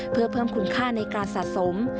เพื่อเพิ่มคุณค่าในการสะสม